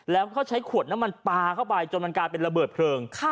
แล้วก็ใช้ขวดน้ำมันปลาเข้าไปจนมันกลายเป็นระเบิดเพลิง